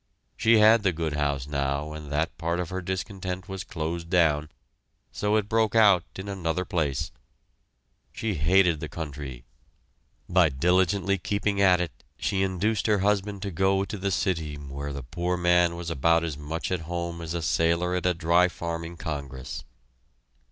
She had the good house now and that part of her discontent was closed down, so it broke out in another place. She hated the country. By diligently keeping at it, she induced her husband to go to the city where the poor man was about as much at home as a sailor at a dry farming congress.